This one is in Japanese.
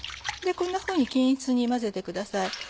こんなふうに均一に混ぜてください。